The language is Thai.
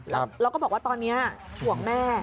เราก็บอกว่าตอนนี้หวังแม่